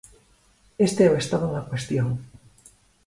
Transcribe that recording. Este é o estado da cuestión.